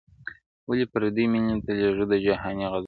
ولي پردۍ مینې ته لېږو د جهاني غزل-